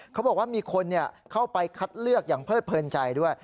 เขาบอกว่ามีคนเข้าไปคัดเลือกอย่างเลิดเพลินใจด้วย